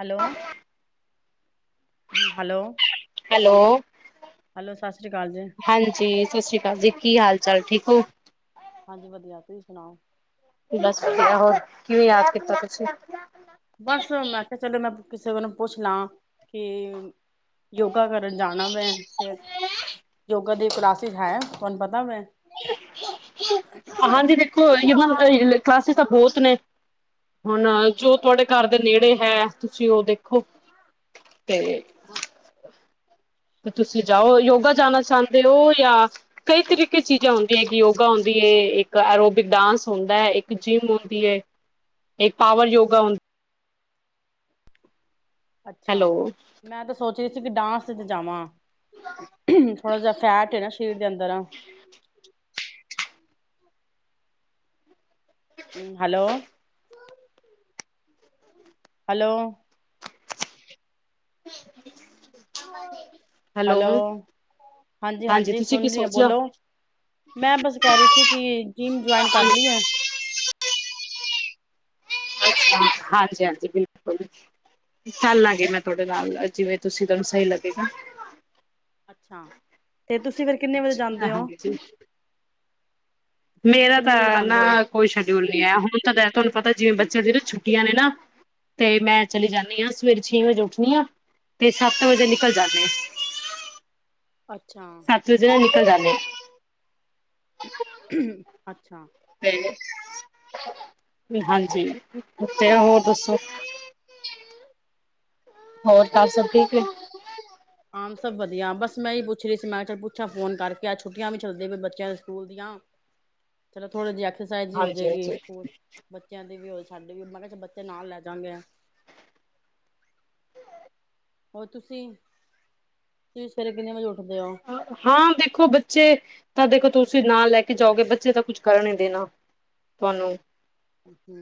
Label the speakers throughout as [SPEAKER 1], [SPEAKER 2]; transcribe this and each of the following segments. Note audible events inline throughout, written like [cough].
[SPEAKER 1] Hello hello
[SPEAKER 2] hello.
[SPEAKER 1] Hello ਸਤਿ ਸ੍ਰੀ ਅਕਾਲ ਜੀ।
[SPEAKER 2] ਹਾਂਜੀ ਸਤਿ ਸ੍ਰੀ ਅਕਾਲ ਜੀ ਕੀ ਹਾਲ। ਚਲ ਠੀਕ ਹੋ।
[SPEAKER 1] ਹਾਂਜੀ ਵਧੀਆ ਤੁਸੀਂ ਸੁਣਾਓ।
[SPEAKER 2] ਬਸ ਵਧੀਆ ਹੋਰ ਕਿਵੇਂ ਯਾਦ ਕੀਤਾ ਤੁਸੀਂ।
[SPEAKER 1] ਬਸ ਮੈਂ ਕਿਹਾ ਚਲੋ ਮੈਂ। ਕਿਸੇ ਦਿਨ ਪੁੱਛ ਲਾਂ ਕਿ ਯੋਗਾ ਕਰਨ ਜਾਣਾ। ਕੋਈ ਕਲਾਸਿਸ ਹੈ। ਕੌਣ ਪਤਾ ਮੈਂ
[SPEAKER 2] ਹਾਂਜੀ। ਦੇਖੋ ਕਲਾਸਿਸ ਤਾਂ ਬਹੁਤ ਨੇ, ਹੁਣ ਜੋ ਤੁਹਾਡੇ ਘਰ ਦੇ ਨੇੜੇ ਹੈ। ਤੁਸੀਂ ਉਹ ਦੇਖੋ। ਤੇ ਤੇ ਤੁਸੀਂ ਜਾਓ ਯੋਗਾ ਜਾਣਾ ਚਾਹੁੰਦੇ ਹੋ। ਜਾਂ ਕਈ ਤਰੀਕੇ ਚੀਜ਼ਾਂ ਹੁੰਦੀਆਂ ਹੈਗੀ ਯੋਗਾ ਹੁੰਦੀ ਹੈ। ਇੱਕ ਐਰੋਬਿਕ ਡਾਂਸ ਹੁੰਦਾ ਹੈ। ਇੱਕ ਜਿੰਮ ਹੁੰਦੀ ਹੈ। ਇੱਕ ਪਾਵਰ ਯੋਗਾ।
[SPEAKER 1] ਅੱਛਾ।
[SPEAKER 2] ਹੈਲੋ
[SPEAKER 1] ਮੈਂ ਤਾਂ ਸੋਚ ਰਹੀ ਸੀ ‌। ਵੀ ਡਾਂਸ ਚ ਜਾਵਾਂ। ਥੋੜਾ ਜਾ ਫੈਟ ਹੈ ਨਾ ਕੀ ਯੰਤਰ ਆ। ਹੂੰ ਹੈਲੋ, ਹੈਲੋ, ਹੈਲੋ, ਹਾਂਜੀ- ਹਾਂਜੀ
[SPEAKER 2] ਤੁਸੀਂ ਕੀ
[SPEAKER 1] ਸੁਣ ਰਹੀ ਆ
[SPEAKER 2] ਸੋਚਿਆ
[SPEAKER 1] ਬੋਲੋ, ਮੈਂ ਬਸ ਕਹਿ ਰਹੀ ਸੀ। ਕਿ ਜਿੰਮ ਜੁਆਇਨ ਕਰ ਲਈ
[SPEAKER 2] ਹਾਂਜੀ
[SPEAKER 1] ਹੈ।
[SPEAKER 2] ਹਾਂਜੀ- ਹਾਂਜੀ ਬਿਲਕੁਲ ਚੱਲਾਂਗੇ। ਮੈਂ ਤੁਹਾਡੇ ਨਾਲ ਜਿਵੇਂ ਤੁਸੀਂ ਤੁਹਾਨੂੰ ਸਹੀ ਲੱਗੇਗਾ।
[SPEAKER 1] ਹਾਂ। ਤੇ ਤੁਸੀਂ ਤੁਸੀਂ ਫੇਰ ਕਿੰਨੇ ਵਜੇ ਜਾਂਦੇ ਹੋ।
[SPEAKER 2] ਹਾਂਜੀ
[SPEAKER 1] ਤੁਸੀਂ
[SPEAKER 2] ਮੇਰਾ
[SPEAKER 1] ਕਿੰਨੇ ਵਜੇ
[SPEAKER 2] ਤਾਂ ਨਾ
[SPEAKER 1] ਜਾਂਦੇ ਹੋ?
[SPEAKER 2] ਕੋਈ ਸ਼ਡਿਊਲ ਨਹੀਂ ਹੈ। ਹੁਣ ਤਾਂ ਦਿਨ ਤੁਹਾਨੂੰ ਪਤਾ ਜਿਵੇਂ ਬੱਚਿਆਂ ਦੀ ਨਾ ਛੁੱਟੀਆਂ ਨੇ ਨਾ, ਤੇ ਮੈਂ ਚਲੀ ਜਾਂਦੀ ਹਾਂ। ਸਵੇਰੇ ਛੇ ਵਜੇ ਉੱਠਣੀ ਹਾਂ ਤੇ ਸੱਤ ਵਜੇ ਨਿਕਲ ਜਾਣੀ ਹਾਂ।
[SPEAKER 1] ਅੱਛਾ।
[SPEAKER 2] ਸੱਤ ਵਜੇ ਨਾਲ ਨਿਕਲ ਜਾਣੇ ਹੋ।
[SPEAKER 1] ਹੂੰ ਅੱਛਾ।
[SPEAKER 2] ਤੇ, ਹਾਂਜੀ। ਉੱਥੇ ਆ ਹੋਰ ਦੱਸੋ। ਹੋਰ ਘਰ
[SPEAKER 1] ਅੱਛਾ
[SPEAKER 2] ਸਭ ਠੀਕ ਹੈ।
[SPEAKER 1] ਆਮ ਸਭ ਵਧੀਆ ਬਸ ਮੈਂ ਇਹ ਪੁੱਛ ਰਹੀ ਸੀ। ਮੈਂ ਚਲ ਪੁੱਛਾਂ ਫੋਨ ਕਰਕੇ ਆ ਛੁੱਟੀਆਂ ਵੀ ਚੱਲਦਿਆ ਪਈਆ ਬੱਚਿਆਂ ਦੇ ਸਕੂਲ ਦੀਆਂ ਚਲੋ ਥੋੜੇ ਜਿਹੇ ਐਕਸਰਸਾਈਜ਼ ਹੋ
[SPEAKER 2] ਹਾਂਜੀ
[SPEAKER 1] ਜਾਏਗੀ।
[SPEAKER 2] ਹਾਂਜੀ
[SPEAKER 1] ਸਕੂਲ ਬੱਚਿਆਂ ਦੀ ਵੀ ਹੋ। ਸਾਡੇ ਵੀ ਮੈਂ ਕਿਹਾ ਬੱਚੇ ਨਾਲ ਲੈ ਜਾਂਗੇ ਆ। ਹੋਰ ਤੁਸੀਂ, ਤੁਸੀਂ ਸਵੇਰੇ ਕਿੰਨੇ ਵਜੇ ਉਠ
[SPEAKER 2] ਹਾਂ, ਦੇਖੋ ਬੱਚੇ ਤਾਂ ਦੇਖੋ ਤੁਸੀਂ ਨਾਲ ਲੈ ਕੇ ਜਾਓਗੇ। ਬੱਚੇ ਤਾਂ ਕੁਛ ਕਰਨ ਨੀ ਦੇਣਾ। ਤੁਹਾਨੂੰ
[SPEAKER 1] ਹੂੰ।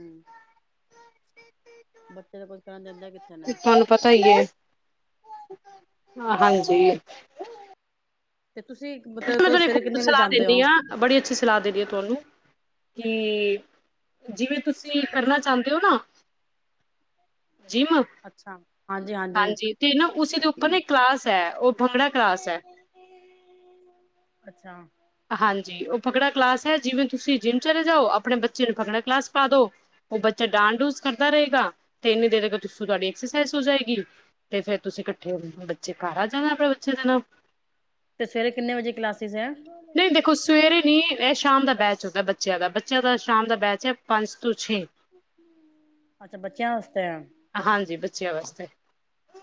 [SPEAKER 1] ਬੱਚੇ ਦਾ ਕੁੱਛ ਕਰਨ ਦਿੰਦਾ। ਕਿੱਥੇ
[SPEAKER 2] ਤੇ
[SPEAKER 1] ਨੇ
[SPEAKER 2] ਤੁਹਾਨੂੰ ਪਤਾ ਹੀ ਹੈ। ਹਾਂਜੀ।
[SPEAKER 1] ਤੇ ਤੁਸੀਂ
[SPEAKER 2] ਮੈਂ
[SPEAKER 1] ਮਤਲਬ ਕ
[SPEAKER 2] ਤੁਹਾਨੂੰ ਇੱਕ
[SPEAKER 1] ਸਵੇਰੇ ਕਿੰਨੇ ਵਜੇ
[SPEAKER 2] ਸਲਾਹ
[SPEAKER 1] ਜਾਂਦੇ
[SPEAKER 2] ਦਿੰਦੀ
[SPEAKER 1] ਹੋ
[SPEAKER 2] ਹਾਂ। ਬੜੀ ਅੱਛੀ ਸਲਾਹ ਦੇਦੀ ਆ ਤੁਹਾਨੂੰ ਕਿ, ਜਿਵੇਂ ਤੁਸੀਂ ਕਰਨਾ ਚਾਹੁੰਦੇ ਹੋ ਨਾ ਜਿਮ,
[SPEAKER 1] ਅੱਛਾ ਹਾਂਜੀ
[SPEAKER 2] ਹਾਂਜੀ ਤੇ ਨਾ ਉਸ ਦੇ ਉੱਪਰ ਨਾ ਇੱਕ ਕਲਾਸ ਹੈ ਉਹ ਭੰਗੜਾ ਕਲਾਸ ਐ।
[SPEAKER 1] ਅੱਛਾ,
[SPEAKER 2] ਜੀ ਉਹ ਫਗੜਾ ਕਲਾਸ ਹੈ ਜਿਵੇਂ ਤੁਸੀਂ ਜਿੰਮ ਚਲੇ ਜਾਓ ਆਪਣੇ ਬੱਚੇ ਨੂੰ ਫਕੜਾ ਕਲਾਸ ਪਾ ਦਉ ਉਹ ਬੱਚਾ ਡਾਂਡ ਡੂਸ ਕਰਦਾ ਰਹੇਗਾ ਤੇ ਇੰਨੀ ਦੇਰ ਅ ਤੁਹਾਡੀ ਐਕਸਰਸਾਈਜ਼ ਹੋ ਜਾਏਗੀ ਤੇ ਫੇਿਰ ਤੁਸੀਂ ਇਕੱਠੇ ਹੋ ਬੱਚੇ ਘਰ ਆ ਜਾਣਾ ਆਪਣੇ ਬੱਚੇ ਦੇ ਨਾਲ
[SPEAKER 1] ਤੇ ਸਵੇਰੇ ਕਿੰਨੇ ਵਜੇ ਕਲਾਸਿਸ ਐ।
[SPEAKER 2] ਨਹੀਂ ਦੇਖੋ ਸਵੇਰੇ ਨੀ ਇਹ ਸ਼ਾਮ ਦਾ ਬੈਚ ਹੁੰਦਾ ਬੱਚਿਆਂ ਦਾ ਬੱਚਿਆਂ ਦਾ ਸ਼ਾਮ ਦਾ ਬੈਚ ਹੈ ਪੰਜ ਤੋਂ ਜੀ
[SPEAKER 1] ਅੱਛਾ ਬੱਚਿਆਂ ਵਾਸਤੇ
[SPEAKER 2] ਹਾਂਜੀ ਬੱਚਿਆਂ ਵਾਸਤੇ,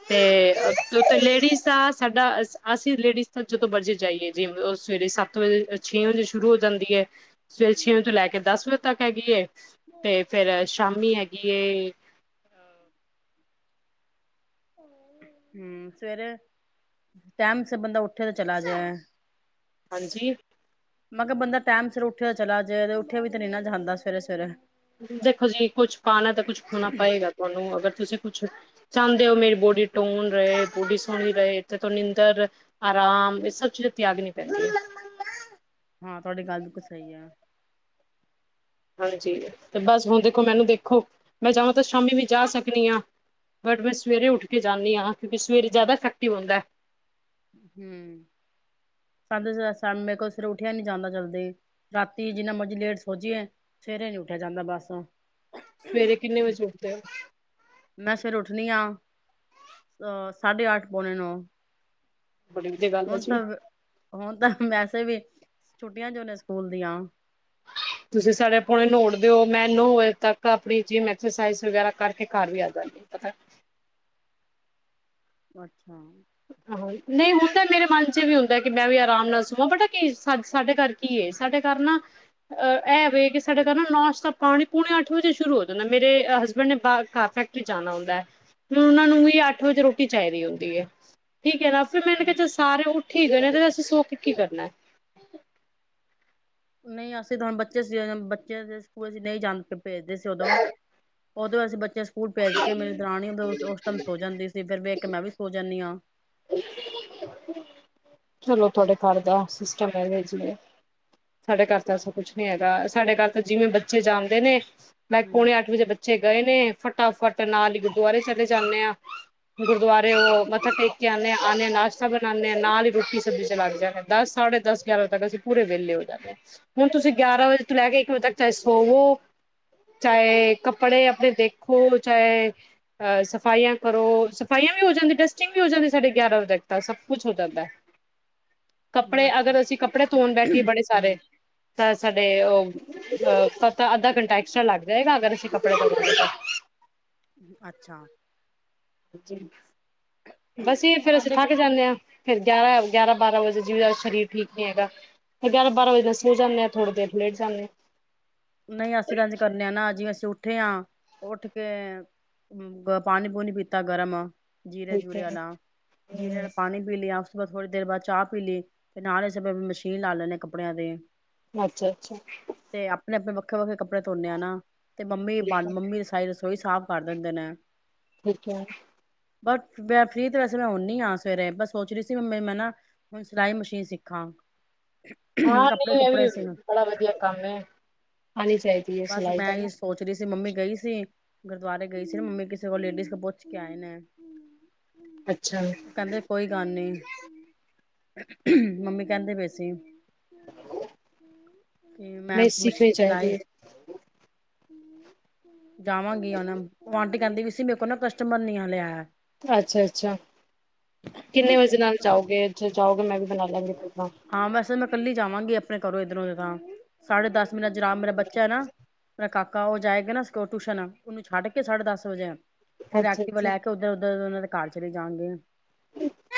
[SPEAKER 2] ਤੇ [unintelligible] ਲੇ ਦਾ ਸਾਡਾ ਅਸੀਂ ਲੇਡੀਜ਼ ਦਾ ਜਦੋਂ ਮਰਜੀ, ਜਾਈਏ ਜਿਵੇਂ ਉਹ ਸਵੇਰੇ ਸੱਤ ਵਜੇ ਛੇ ਵਜੇ ਸ਼ੁਰੂ ਹੋ ਜਾਂਦੀ ਹੈ। ਸਵੇਰੇ ਛੇ ਵਜੇ ਤੋਂ ਲੈ ਕੇ ਦਸ ਵਜੇ ਤੱਕ ਹੈਗੀ ਅਤੇ ਫਿਰ ਸ਼ਾਮੀ ਹੈਗੀ ਐ।
[SPEAKER 1] ਹੂੰ, ਸਵੇਰੇ ਟਾਈਮ ਸਿਰ ਬੰਦਾ ਉੱਠੇ ਤੇ ਚਲਾ ਜਾਏ।
[SPEAKER 2] ਹਾਂਜੀ,
[SPEAKER 1] ਮੈਂ ਕਿਹਾ ਬੰਦਾ ਟਾਈਮ ਸਿਰ ਉੱਠਿਆ ਦਾ ਚਲਾ ਜਾਏ ਉੱਠਿਆ ਵੀ ਤੇ ਨਹੀਂ ਨਾ ਜਾਂਦਾ ਸਵੇਰੇ ਸਵੇਰੇ
[SPEAKER 2] ਦੇਖੋ ਜੀ ਕੁੱਛ ਪਾਣਾ ਤਾਂ ਕੁਛ ਖਣਾ ਪਏਗਾ ਤੁਹਾਨੂੰ ਅਗਰ ਤੁਸੀਂ ਕੁਛ ਚਾਹੁੰਦੇ ਹੋ ਮੇਰੀ ਬੋਡੀ ਟੋਨ ਰਹੇ ਬੋਡੀ ਸੋਹਣੀ ਰਹੇ ਇਥੇ ਤੋਂ ਨਿੰਦਰ ਆਰਾਮ ਇਹ ਸਭ ਚੀਜ਼ ਤਿਆਗ ਨੀ ਪੈਂਦੀਆਂ।
[SPEAKER 1] ਹਾਂ ਤੁਹਾਡੀ ਗੱਲ ਬਿਲਕੁਲ ਸਹੀ ਆ।
[SPEAKER 2] ਹਾਂਜੀ ਤੇ ਬਸ ਹੁਣ ਦੇਖੋ ਮੈਨੂੰ ਦੇਖੋ ਮੈਂ ਜਾਵਾਂ ਤਾਂ ਸ਼ਾਮੀ ਵੀ ਜਾ ਸਕਦੀ ਹਾਂ ਬਟ ਮੈਂ ਸਵੇਰੇ ਉੱਠ ਕੇ ਜਾਂਦੀ ਹਾਂ ਕਿਉਂਕਿ ਸਵੇਰੇ ਜ਼ਿਆਦਾ ਇਫੈਕਟਿਵ ਹੁੰਂਦਾ ਹੈ।
[SPEAKER 1] ਹੂੰ ਮੇਰੇ ਕੋਲੋ ਫਿਰ ਉੱਠਿਆ ਨੀ ਜਾਂਦਾ ਜਲਦੀ ਰਾਤੀ ਜਿੰਨਾ ਮਰਜ਼ੀ ਲੇਟ ਸੋਜੀਏ ਸਵੇਰੇ ਨੀ ਉੱਠ ਉਠਿਆ ਜਾਂਦਾ ਬਸ
[SPEAKER 2] ਸਵੇਰੇ ਕਿੰਨੇ ਵਜੇ ਉੱਠਦੇ ਹੋ
[SPEAKER 1] ਮੈਂ ਫਿਰ ਉੱਠਣੀ ਆ ਅਹ ਸਾਢੇ ਅੱਠ ਪੌਣੇ ਨੋ
[SPEAKER 2] ਬੜੀ ਵਧੀਆ ਗੱਲ ਐ ਜੀ,
[SPEAKER 1] ਹੁਣ ਵੈਸੇ ਵੀ ਛੁੱਟੀਆਂ ਜੂਨ ਸਕੂਲ ਦੀਆਂ।
[SPEAKER 2] ਤੁਸੀਂ ਸਾਡੇ ਪੁਣੇ ਨੌੜਦੇ ਹੋ ਮੈਂ ਨੋ ਵਜੇ ਤੱਕ ਆਪਣੀ ਜਿਮ ਐਕਸਸਾਈਜ਼ ਵਗੈਰਾ ਕਰਕੇ ਘਰ ਵੀ ਆ ਜਾਂਗੀ ਪਤਾ।
[SPEAKER 1] ਅੱਛਾ, ਹੂੰ
[SPEAKER 2] ਆਹੋ ਨਹੀਂ, ਮੇਰੇ ਮਨ ਚ ਵੀ ਹੁੰਦਾ ਕਿ ਮੈਂ ਵੀ ਆਰਾਮ ਨਾਲ ਸੋਵਾਂ ਬਟਾ ਕੀ ਸਾ ਸਾਡੇ ਘਰ ਕੀ ਹੈ ਸਾਡੇ ਘਰ ਨਾ ਅ ਇਹ ਵੇ ਕਿ ਸਾਡੇ ਘਰ ਨਾ ਨਸ਼ਤਾ ਪਾਣੀ ਪੂਣੇ ਅੱਠ ਵਜੇ ਸ਼ੁਰੂ ਹੋ ਜਾਂਦਾ ਮੇਰੇ ਹਸਬੈਂਡ ਨੇ ਘਰ ਫੈਕਟਰੀ ਜਾਣਾ ਹੁੰਦਾ ਹੈ ਉਹਨਾਂ ਨੂੰ ਵੀ ਅੱਠ ਵਜੇ ਰੋਟੀ ਚਾਹੀਦੀ ਹੁੰਦੀ ਹੈ। ਠੀਕ ਹੈ ਨਾ ਫਿਰ ਮੈਂਨੇ ਕਿਹਾ ਸਾਰੇ ਉਹ ਠੀਕ ਹੋਏ ਨੇ। ਤੂੰ ਸੋ ਕੇ ਕੀ ਕਰਨਾ।
[SPEAKER 1] ਨਹੀਂ ਅਸੀਂ ਤਾਂ ਹੁਣ ਬੱਚੇ ਸੀ ਬੱਚੇ ਦੇ ਸਕੂਲ ਨਹੀਂ ਜਾ ਭੇਜਦੇ ਸੀ ਉਦੋਂ ਉਦੋਂ ਅਸੀਂ ਬ ਸਕੂਲ ਭੇਜ ਕੇ ਮੇਰੀ ਦਰਾਨੀ ਉਸ ਟਾਈਮ ਸੋ ਜਾਂਦੀ ਸੀ, ਫਿਰ ਵੇਖ ਕੇ ਮੈਂ ਵੀ ਸੋਚ ਜਾਂਦੀ ਹਾਂ।
[SPEAKER 2] ਚਲੋ ਤੁਹਾਡੇ ਘਰ ਦਾ ਸਿਸਟਮ ਹੈਨਾ ਜੀਵੇ ਸਾਡੇ ਘਰ ਤਾਂ ਐਸਾ ਕੁਛ ਨੀ ਹੈਗਾ ਸਾਡੇ ਘਰ ਜਿਵੇਂ ਬੱਚੇ ਜਾਂਦੇ ਨੇ ਬਸ
[SPEAKER 1] ਹੂੰ
[SPEAKER 2] ਪੌਣੇ ਅੱਠ ਵਜੇ ਬੱਚੇ ਗਏ ਨੇ ਫਟਾਫਟ ਨਾਲ ਹੀ ਗੁਰਦੁਆਰੇ ਚਲੇ ਜਾਂਦੇ ਆ, ਗੁਰਦੁਆਰੇ ਉਹ ਮੱਥਾ ਟੇਕ ਆਨੇ ਆ ਆਨੇ ਆ ਨਾਸ਼ਤਾ ਬਣਾਨੇ ਆ ਨਾਲ ਹੀ ਰੋਟੀ ਸਬਜ਼ੀ ਚ ਲੱਗ ਜਾਨੇ ਆ ਦਸ ਸਾਢੇ ਦਸ ਗਿਆਰਾਂ ਵਜੇ ਤੱਕ ਅਸੀਂ ਪੂਰੇ ਵਿਹਲੇ ਹੋ ਜਾਂਨੇ ਹਾਂ, ਹੁਣ ਤੁਸੀਂ ਗਿਆਰਾਂ ਵਜੇ ਤੋਂ ਲੈ ਕੇ ਇੱਕ ਵਜੇ ਤੱਕ ਚਾਹੇ ਸੋਵੋ ਚਾਹੇ ਕੱਪੜੇ ਆਪਣੇ ਦੇਖੋ ਚਾਹੇ ਅਹ ਸਫਾਈਆਂ ਕਰੋ ਸਫਾਈਆਂ ਵੀ ਹੋ ਜਾਂਦੀ ਟੈਸਟਿੰਗ ਵੀ ਹੋ ਜਾਂਦੀ ਸੀ। ਸਾਢੇ ਗਿਆਰਾਂ ਵਜੇ ਤੱਕ ਤਾਂ ਸਭ ਕੁੱਛ ਹੋ ਜਾਂਦਾ। ਕੱਪੜੇ
[SPEAKER 1] ਅੱਛਾ
[SPEAKER 2] ਅਗਰ ਅਸੀਂ ਕੱਪੜੇ ਧੋਣ ਬੈਠੀਏ ਬੜੇ ਸਾਰੇ
[SPEAKER 1] ਹੂੰ
[SPEAKER 2] ਤਾਂ ਸਾਡੇ ਉਹ ਅਹ ਸ ਅੱਧਾ ਘੰਟਾ ਐਕਸਟਰਾ ਲੱਗ ਜਾਏਗਾ, ਸ਼ਅਗਰ ਅਸੀਂ ਕੱਪੜੇ ਧੋਵਾ ਗੇ ਤਾਂ
[SPEAKER 1] ਅੱਛਾ,
[SPEAKER 2] ਜੀ ਬਸ
[SPEAKER 1] ਨਹੀਂ
[SPEAKER 2] ਫੇਰ ਅਸੀਂ
[SPEAKER 1] ਸਾਡੇ
[SPEAKER 2] ਧਾਕ ਜਾਂਦੇ ਹਾਂ ਫੇਰ ਗਿਆਰਾਂ, ਗਿਆਰਾਂ ਬਾਰਾਂ ਵਜੇ ਜਿਵੇ ਅੱਜ ਸਰੀਰ ਠੀਕ ਨੀ ਹੈਗਾ, ਗਿਆਰਾਂ ਬਾਰਾਂ ਵਜੇ ਸੋ ਜਾਂਨੇ ਆ ਥੋੜ੍ਹੀ ਦੇਰ ਲੇਟ ਜਾਣੇ
[SPEAKER 1] ਨਾ ਜਿਵੇਂ ਅਸੀਂ ਉੱਠੇ ਆ ਉੱਠੇ ਕੇ ਪਾਣੀ ਪੂਣੀ ਪੀਤਾ ਗਰਮ ਜੀਰੇ
[SPEAKER 2] ਠੀਕ
[SPEAKER 1] ਜੁਰੇ
[SPEAKER 2] ਹੈ।
[SPEAKER 1] ਵਾਲਾ ਜੀਰੇ ਵਾਲਾ
[SPEAKER 2] ਹਮ
[SPEAKER 1] ਪਾਣੀ ਪੀ ਲਿਆ। ਥੋੜ੍ਹੀ ਦੇਰ ਬਾਅਦ ਚਾਹ ਪੀ ਲਈ, ਤੇ ਨਾਲ ਹੀ ਸਮੇਂ ਮਸ਼ੀਨ ਲਾ ਲੈੇ ਕੱਪੜਿਆਂ ਦੇ
[SPEAKER 2] ਅੱਛਾ-ਅੱਛਾ,
[SPEAKER 1] ਤੇ ਆਪਣੇ ਵੱਖਰੇ, ਵੱਖਰੇ ਕੱਪੜੇ ਧੋਨੇ ਆ ਨਾ ਤੇ ਮੰਮੀ ਬਣ ਮੰਮੀ ਨੇ ਸਾਰੀ ਰਸੋਈ ਰਸੋਈ ਸਾਫ਼ ਕਰ ਦਿੰਦੇ ਨੇ
[SPEAKER 2] ਠੀਕ ਹੈ।
[SPEAKER 1] ਬਸ ਮੈਂ ਫ੍ਰਰੀ ਤੇ ਵੈਸੇ ਮੈਂ ਹੂਨੀ ਹਾਂ ਸਵੇਰੇ ਬਸ ਸੋਚ ਰਹੀ ਸੀ ਮੈ ਮੈਂ ਨਾ ਹੁਣ ਸਿਲਾਈ ਮਸ਼ੀਨ ਸਿੱਖਾਂ
[SPEAKER 2] ਹਾਂ,
[SPEAKER 1] ਕੱਪੜੇ
[SPEAKER 2] ਨਹੀਂ ਇਹ
[SPEAKER 1] ਕੁੱਪੜੇ ਸੀ
[SPEAKER 2] ਵੀ ਬੜਾ ਵਧੀਆ ਕੰਮ ਏ ਆਣੀ ਚਾਹੀਦੀ ਇਹ
[SPEAKER 1] ਬਸ
[SPEAKER 2] ਸਲਾਈ
[SPEAKER 1] ਮੈਂ
[SPEAKER 2] ਤਾ
[SPEAKER 1] ਇਹ
[SPEAKER 2] ਨਾ,
[SPEAKER 1] ਸੋਚ ਰਹੀ ਮੰਮੀ ਗਈ ਸੀ, ਗੁਰਦੁਆਰੇ ਗਈ ਸੀ ਨਾ ਮੰਮੀ ਕਿਸੇ ਕੋਲ ਲੇਡੀਜ਼ ਪੁੱਛ ਕੇ ਆਏ ਨੇ,
[SPEAKER 2] ਅੱਛਾ
[SPEAKER 1] ਕਹਿੰਦੇ ਕੋਈ ਗੱਲ ਨੀ ਮੰਮੀ ਕਹਿੰਦੇ ਪਏ ਸੀ। ਤੇ
[SPEAKER 2] ਨਹੀਂ
[SPEAKER 1] ਮੈਂ
[SPEAKER 2] ਸਿੱਖਣੀ
[SPEAKER 1] ਸਲਾਈ
[SPEAKER 2] ਚਾਹੀਦੀ
[SPEAKER 1] ਜਾਵਾਂਗੀ ਉਹਨਾਂ ਔ ਆਂਟੀ ਕਹਿੰਦੀ ਵੀ ਸੀ ਮੇਰੇ ਕੋਲ ਨਾ ਕਸਟਮਰ ਨੀ ਹਲੇ ਆਯਾ
[SPEAKER 2] ਅੱਛਾਅੱਛਾ ਕਿੰਨੇ ਵਜੇ ਨਾਲ ਜਾਓਗੇ ਜਦੋ ਜਾਓਗੇ ਮੈਂ ਵੀ ਬਣਾ ਲਾਂਗੀ ਅਪਣਾ
[SPEAKER 1] ਹਾਂ ਬਸ ਮੈਂ ਕੱਲੀ ਜਾਵਾਂਗੀ ਆਪਣੇ ਘਰੋਂ ਇੱਧਰੋਂ ਤਾਂ ਸਾਢੇ ਦਸ ਮੇਰਾ ਜੁਰਾਮ ਮੇਰਾ ਬੱਚਾ ਹੈ ਨਾ ਮੇਰਾ ਕਾਕਾ ਕਾ ਉਹ ਜਾਏਗਾ ਨਾ ਸਕੋ ਟਿਊਸ਼ਨ ਉਹਨੂੰ ਛੱਡ ਕੇ ਸਾਢੇ ਦਸ ਵਜੇ ਫੇਰ
[SPEAKER 2] ਅੱਛਾ
[SPEAKER 1] ਐਕਟਿਵਾ ਤੋਂ
[SPEAKER 2] ਅੱਛਾ
[SPEAKER 1] ਲੈ ਕੇ ਉੱਧਰ-ਉੱਧਰ ਉਨ੍ਹਾ ਘਰ ਚਲੇ ਜਾਂਗੇ।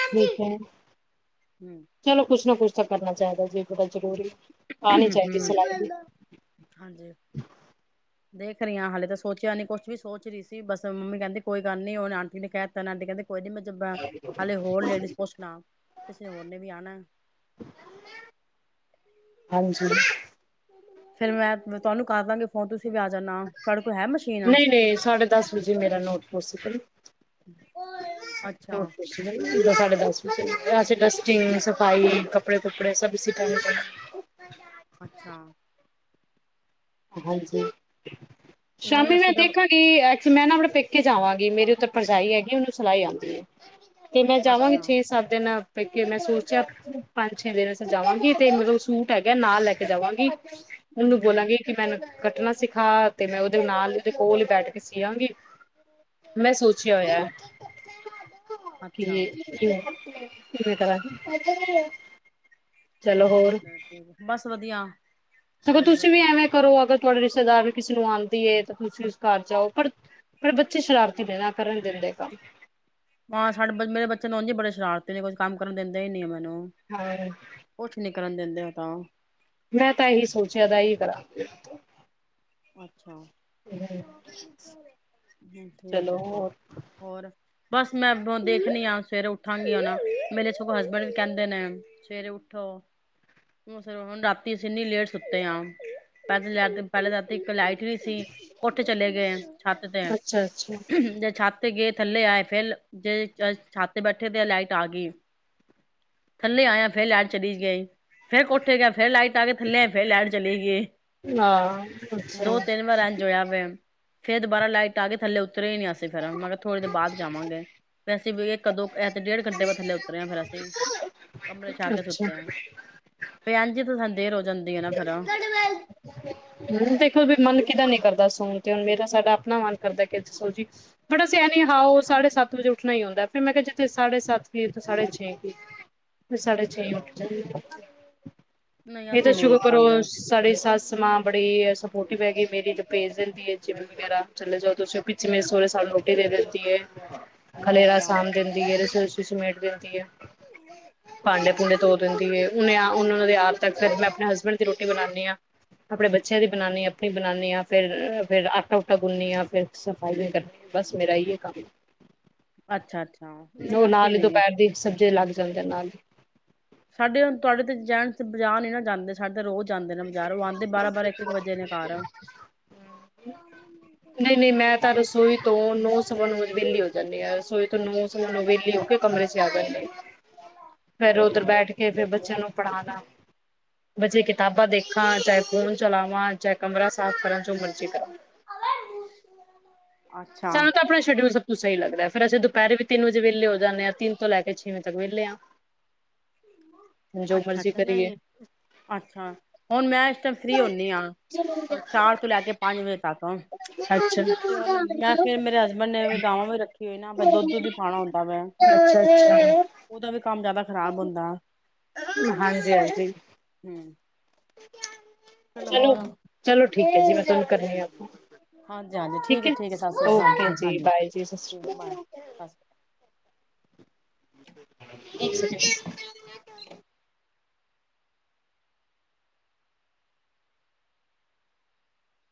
[SPEAKER 2] ਠੀਕ ਹੈ।
[SPEAKER 1] ਹੂੰ
[SPEAKER 2] ਚਲੋ ਕੁਛ ਨਾ ਕੁਛ ਤਾਂ ਤੇ ਕਰਨਾ ਚਾਹੀਦਾ। ਜੇ ਬੜਾ ਜ਼ਰੂਰੀ ਆਣੀ
[SPEAKER 1] ਹ
[SPEAKER 2] ਚਾਹੀਦੀ ਸਿਲਾਈ ਦੀ
[SPEAKER 1] ਮ ਹਾਂਜੀ। ਦੇਖ ਰਹੀ ਆਂ ਹੱਲੇ ਤੇ ਸੋਚਿਆ ਨਹੀਂ ਕੁਛ ਵੀ ਸੋਚ ਰਹੀ ਸੀ ਬਸ ਮੰਮੀ ਕਹਿੰਦੀ ਕੋਈ ਗੱਲ ਨਹੀਂ ਹੁਣ ਆਂਟੀ ਨੇ ਕਹ ਤਾ ਨ ਆਂਟੀ ਕਹਿੰਦੀ ਕੋਈ ਨੀ ਨਹੀਂ ਮੈਂ [unintelligible] ਹਾਲੇ ਹੋਰ ਲੇਡੀਜ਼ ਪੁੱਛਣਾ ਕਿਸੇ ਹੋਰ ਨੇ ਵੀ ਆਉਣਾ।
[SPEAKER 2] ਹਾਂਜੀ।
[SPEAKER 1] ਫੇਿਰ ਮੈਂ ਮੈਂ ਤੁਹਾਨੂੰ ਕਰ ਦਵਾਂਗੀ ਫੋਨ ਤੁਸੀਂ ਵੀ ਆ ਜਾਣਾ ਤੁਹਾਡੇ ਕੋਲ ਹੈ ਮਸ਼ੀਨ
[SPEAKER 2] ਨਹੀਂ ਨਹੀਂ ਸਾਢੇ ਦਸ ਵਜੇ ਮੇਰਾ ਨੋਟ ਪੋਸੀਬਲ
[SPEAKER 1] ਅੱਛਾ
[SPEAKER 2] ਨੋਟ ਪੋਸੀਬਲ ਪੁਰਾ ਸਾਢੇ ਦਸ ਵਜੇ। ਡਾ ਸੇ ਡਸਟਿੰਗ ਸਫ਼ਾਈ ਕਪੜੇ ਕੁੱਪੜੇ ਸਭ ਸਿੱਖਣਗੇ।
[SPEAKER 1] ਅੱਛਾ।
[SPEAKER 2] ਹਾਂਜੀ।
[SPEAKER 1] ਨਹੀਂ
[SPEAKER 2] ਸ਼ਾਮੀ ਮੈਂ
[SPEAKER 1] ਅਸੀਂ ਤਾਂ
[SPEAKER 2] ਦੇਖਾਂਗੀ ਮੈਂ ਨਾ ਆਪਣੇ ਪੇਕੇ ਜਾਵਾਂਗੀ ਮੇਰੀ ਉੱਥੇ ਭਰਜਾਈ ਹੈਗੀ ਉਹਨੂੰ ਸਿਲਾਈ ਆਉਂਦੀ ਹੈ। ਤੇ ਮੈਂ ਜਾਵਾਂਗੀ
[SPEAKER 1] ਅੱਛਾ
[SPEAKER 2] ਛੇ ਸੱਤ ਦਿਨਾਂ ਪੇਕੇ ਮੈਂ ਸੋਚਿਆ ਪੰਜ ਛੇ ਦਿਨ ਵਾਸਤੇ ਜਾਵਾਂਗੀ ਤੇ ਮਤਲਬ ਸੂਟ ਹੈਗਾ ਨਾਲ ਲੈ ਕੇ ਜਾਵਾਂਗੀ। ਉਹਨੂੰ
[SPEAKER 1] ਹਮ
[SPEAKER 2] ਬੋਲਾਂਗੀ। ਕੱਟਣਾ ਸਿਖਾ ਤੇ ਮੈਂ ਉਹਦੇ ਨਾਲ ਉਹਦੇ ਕੋਲ ਬੈਠ ਕੇ ਸਿਆਂਗੀ ਮੈਂ ਸੋਚਿਆ ਹੋਇਆ।
[SPEAKER 1] ਅੱਛਾ
[SPEAKER 2] ਕਿ-ਕਿ। [inaudible]
[SPEAKER 1] ਠੀਕ-ਠੀਕ ਬਸ ਵਧੀਆ।
[SPEAKER 2] ਸਗੋ
[SPEAKER 1] ਹਾਂਜੀ
[SPEAKER 2] ਤੁਸੀਂ ਵੀ
[SPEAKER 1] ਵਧੀਆ
[SPEAKER 2] ਐਵੇਂ ਕਰੋ ਅਗਰ ਤੁਹਾਡੇ ਰਿਸ਼ਤੇਦਾਰ ਵੀ ਕਿਸੇ ਨੂੰ ਆਉਂਦੀ ਏ ਤੇ ਤੁਸੀਂ ਉਸ ਘਰ ਜਾਓ ਪਰ ਪਰ ਬੱਚੇ ਸ਼ਰਾਰਤੀ ਜੇਨ ਕਰਨ ਦਿੰਦੇ ਕੰਮ।
[SPEAKER 1] ਤੁੱਸੀ ਕੁੱਛ ਕੰਮ ਕਰਨ ਦੇੰਦੇ ਹੀ ਨਹੀਂ ਮੈਂ
[SPEAKER 2] [inaudible]
[SPEAKER 1] ਕਰਨ ਦਿੰਦੇ ਆ ਤਾਂ ਉਹ
[SPEAKER 2] ਮੈਂ ਤਾਂ ਇਹੀ ਸੋਚਿਆ ਦਾ ਇਹਾਂ ਹੀ ਕਰਾਂਗੀ।
[SPEAKER 1] ਅੱਛਾ ਹਮ
[SPEAKER 2] ਚਲੋ
[SPEAKER 1] ਠੀਕ-ਠੀਕ
[SPEAKER 2] ਹੋਰ
[SPEAKER 1] ਹੋਰ। ਬਸ ਮੈਂ ਦੇਖਣੀ ਆ ਸਵੇਰੇ ਉੱਠਾਂਗੀ ਹੁਣ ਮੇਰੇ ਸਗੋਂ ਹਸਬੈਂਡ ਵੀ ਕਹਿੰਦੇ ਨੇ ਸਵੇਰੇ ਉੱਠੋ [unintelligible] ਹੁਣ ਰਾਤੀ ਅਸੀਂ ਇੰਨੀ ਲੇਟ ਸੁੱਤੇ ਆ [unintelligible] ਇੱਕ ਲਾਈਟ ਸੀ ਉੱਠ ਚਲੇ ਗਏ ਛੱਤ ਤੇ
[SPEAKER 2] ਅੱਛਾ ਅੱਛਾ
[SPEAKER 1] ਜੇ ਛੱਤ ਤੇ ਗਏ ਥੱਲੇ ਆਏ ਫੇਰ ਜੇ ਛਾ ਤੇ ਬੈਠੇ ਤੇ ਲਾਈਟ ਆ ਗਈ ਥੱਲੇ ਆਇਆ ਫੇਰ ਲਾਈਟ ਚਲੀ ਗਈ ਫੇਰ ਕੋਠੇ ਗਿਆ ਫੇਰ ਲਾਈਟ ਆ ਕੇ ਥੱਲੇ ਫੇਰ ਲਾਈਟ ਚਲੇ ਗਈ
[SPEAKER 2] ਹਾਂ ਅੱਛਾ
[SPEAKER 1] ਦੋ ਤਿੰਨ ਵਾਰਾਂ ਇੰਜ ਹੋਇਿਆ ਪਇ ਫੇਰ ਦੁਬਾਰਾ ਲਾਈਟ ਆ ਗਈ ਥੱਲੇ ਉਤਰਰੇ ਹੀ ਨੀ ਅਸੀ ਫੇ ਮੈਂਰ ਥੋੜ੍ਹੀ ਦੇ ਬਾਅਦ ਜਾਵਾਂਗੇ ਵੈਸੇ ਇਹ ਕਦੋਂ ਐ ਡੇਢ ਘੰਟੇ ਬਾਦ ਥਲੇ ਉਤਰਿਆ ਫੇਿਰ ਅਸੀਂ ਕਮਰੇ ਜਾ ਕੇ
[SPEAKER 2] ਅੱਛਾ
[SPEAKER 1] ਸੁੱਤੇਿਆ ਏਝ ਹੀ ਤੇ ਸਾਨੂੰ ਦੇਰ ਹਦੇ ਰੋ ਜਾਂਦੀ ਆ ਨਾ ਫੇਿਰ
[SPEAKER 2] ਹਮ ਦੇਖੋ ਵੀ ਮਨ ਕਿਦਾਂ ਨੀ ਕਰਦਾ ਸੋਣ ਤੇ ਹੁਣ ਮੇਰਾ ਸਾਡਾ ਆਪਣਾ ਮਨ ਕਰਦਾ ਕਿ ਦ ਸੋ ਜੀ ਬੜਾ ਅਸੀ ਅਨੀ ਹਓ ਸਾਢੇ ਸੱਤ ਵਜੇ ਉੱਠਣਾ ਹੀ ਹੁੰਦਾ ਫਿਰ ਮੈਂ ਕਿਹਾ ਜਿੱਥੇ ਸਾਢੇ ਸੱਤ ਵੀ ਉਥ ਸਾਢੇ ਛੇ ਫਿਰ ਸਾਢੇ ਛੇਠ
[SPEAKER 1] ਨਹੀਂ
[SPEAKER 2] ਇਹ ਤਾਂ
[SPEAKER 1] ਅਸੀਂ ਨਹੀਂ
[SPEAKER 2] ਸ਼ੁਕਰ
[SPEAKER 1] ਉੱਠ
[SPEAKER 2] ਕਰੋ
[SPEAKER 1] ਪਾਂਦੇ।
[SPEAKER 2] ਸਾਡ ਸੱਸ ਸਮਾਂ ਬੀ ਇਹ ਸਪੋਰਟਿਵ ਹੈਗੀ ਮੇਰੀ ਦੁੇ ਿੰਦੀ ਹੈ ਜਿਮ ਵਗੈਰਾ ਚਲੇ ਜਾਓ ਤੁਸੀਂ ਪਿੱਛੇ ਸਾਰੇ ਸਾਲ ਰੋਟ ਹੀ ਦੇ ਜ ਖਲੇਰਾ
[SPEAKER 1] ਅੱਛਾ,
[SPEAKER 2] ਸਾਂਭ ਦੇਦੀ ਹੈ ਰਸੋਈ ਵਿਚ ਕਿਸਨੂੰ ਆਡ ਦਿੰਦੀ ਹੈ ਭਾਂਡੇ ਭੂੰਡੇ
[SPEAKER 1] ਅੱਛਾ,
[SPEAKER 2] ਧੋ ਦਿੰਦੀ ਹੈ ਉਹਨੇ ਉਹਨ ਦੇ ਆਣ ਤੱਕ ਮੈਂ ਆਪਣੇ ਹਸਬੈਂਡ ਦੀ ਰੋਟੀ ਬਣਾਉਦੀ ਹਾਂ ਆਪਣੇ ਬੱਚਿਆਂ ਦੀ ਬਣਾਨੀ ਆਪਣੀ ਬਣਾਨੀ ਹਾਂ ਫਿਰ ਫਿਰ ਆਟਾ ਉਟਾ ਗੁੰਨੀ ਹ ਫਿਰ ਸਫਾਈ ਵੀ ਕਰ ਬਸ ਮੇਰਾ ਇਹੀਓ ਕੰਮ ਹੈ,
[SPEAKER 1] ਅੱਛਾ, ਅੱਛਾ
[SPEAKER 2] ਉਹ
[SPEAKER 1] ਨਹੀਂ
[SPEAKER 2] ਨਾਲ
[SPEAKER 1] ਅਸੀਂ
[SPEAKER 2] ਹੀ
[SPEAKER 1] ਨਹੀਂ।
[SPEAKER 2] ਦੁਪਹਿਰ ਦੀ ਸਬਜ਼ੀ ਅਲੱਗ ਚਲਦੇ ਨਾਲ
[SPEAKER 1] ਸਾਡੇ ਤੁਹਾਡੇ ਤੇ ਜੈਂਟਸ ਬਾਜ਼ਾਰ ਨ ਨਾ ਜਾਂਦੇ ਸਾਡੇ ਤਾਂ ਰੋਜ਼ ਜਾਂਦੇ ਨੇ ਬਾਜ਼ਾਰ ਉਹ ਆਂਦੇ ਬਾਰਾਂ ਬਾਰਾਂ ਇੱਕ ਇੱਕ ਵਜੇ ਨੇ ਘਰ
[SPEAKER 2] ਨਹੀਂ ਨਹੀਂ ਮੈਂ ਤਾਂ ਦੱਸ ਰਸੋਈ ਤੋਂ ਨੌਸਵਾ ਨੋ ਵੈਲੀ ਹੋ ਜਾਂਦੀ ਹੈ ਰਸੋਈ ਨੂੰ ਵਿਹਲੀ ਹੋ ਕੇ ਕਮਰੇ ਚ ਆ ਗ ਫੇਰ
[SPEAKER 1] ਅੱਛਾ,
[SPEAKER 2] ਉੱਧਰ ਬੈਠ ਕੇ ਫੇਿਰ ਬੱਚਿਆਂ ਨੂੰ ਪੜਾਨਾ ਬੱਚੇ ਕਿੇ ਕਿਤਾਬਾਂ ਦੇਖਾਂ ਚਾਹੇ ਫ਼ੋਨ ਚਲਾਵਾਂ ਚਾਹੇ ਕਮਰਾ ਸਾਫ਼ ਕਰ ਜੋ ਮਰਜ਼ੀ ਕਰਾਂ
[SPEAKER 1] ਅੱਛਾ,
[SPEAKER 2] ਸਾਨੂੰ ਤਾਂ ਆਪਣਾ ਸ਼ਡਿਊਲ ਸਭ ਤੋਂ ਸਹੀ ਲੱਗਦਾ ਫਿਰ ਅਸੀ ਦੁਪਹਿਰੇ ਵੀ ਤਿੰਨ ਵਜੇ ਵਹਲੇ ਹੋ ਜਾਂਦੇ ਆ ਤਿੰਨ ਤੋਂ ਲੈ ਕੇ ਛੇਂ ਵਜੇ ਤਕ ਤੱਕ ਵਿੇਹਲੇਿਆ
[SPEAKER 1] ਅੱਛਾ ਅੱਛਾ ਨਹੀਂ ਅੱਛਾ ਹੁਣ ਮੈਂ ਇਸ ਟਾਈਮ ਫਰੀ ਹੁੰਦੀ ਹਾਂ ਚਾਰ ਤੋਂ ਲੈ ਕੇ ਪੰਜ ਵਜੇ ਤੱਕ
[SPEAKER 2] ਅੱਛਾ।
[SPEAKER 1] ਤੇ ਉਹਨ ਮੈਂ ਫੇਿਰ ਮੇਰੇ ਹਸਬੈਂਡ ਨੇ ਗਾਵਾਂ ਵੀ ਰੱਖੀ ਹੋਈ ਨਾ ਦੁੱਧ ਦੁਧ ਹੀ ਪਾਉਣਾ ਹੁੰਦਾ ਵੈ
[SPEAKER 2] ਅੱਛਾ ਅੱਛਾ
[SPEAKER 1] ਉਹਦਾ ਵੀ ਕੰਮ ਜਿਆਦਾ ਖਰਾਬ ਹੁੰਦਾ ਦਾ
[SPEAKER 2] ਹਾਂਜੀ ਹਾਂਜੀ
[SPEAKER 1] ਹਮ
[SPEAKER 2] [unintelligible] ਚਲੋ ਚਲੋ ਠੀਕ ਹੈ ਜੀ ਮੈਂ ਤੁਹਾਨੂੰ ਕਰਨੀ ਆ ਫੋਨ
[SPEAKER 1] ਹਾਂਜੀ ਹਾਂਜੀ ਠੀਕ ਹੈ ਠੀਕ ਹੈ ਸਤਿ ਸ਼੍ਰੀ
[SPEAKER 2] ਓਕੇ
[SPEAKER 1] ਅਕਾਲ
[SPEAKER 2] ਜੀ
[SPEAKER 1] ਹਾਂਜੀ
[SPEAKER 2] ਬਾਏ ਜੀ ਸਤਿ ਸ਼੍ਰੀ ਅਕਾਲ।
[SPEAKER 1] ਬਾਏ ਸਤ ਸ਼੍ਰੀ ਅਕ